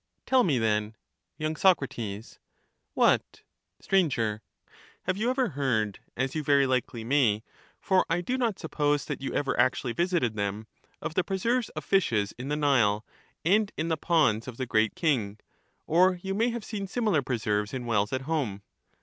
Tell me, then — Y.Soc. What? Sir. Have you ever heard, as you very likely may — for I do not suppose that you ever actually visited them — of the preserves of fishes in the Nile, and in the ponds of the Great King ; or you may have seen similar preserves in wells at home